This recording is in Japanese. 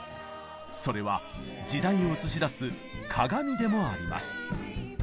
それは時代を映し出す「鏡」でもあります。